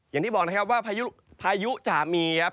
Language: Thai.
อย่างที่บอกนะครับว่าพายุจะมีครับ